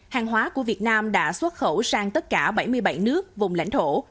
hàng hóa của việt nam đã xuất khẩu sang tất cả bảy mươi bảy nước vùng lãnh thổ